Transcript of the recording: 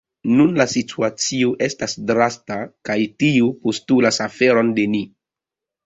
Nun la situacio estas drasta, kaj tio postulas oferon de ni.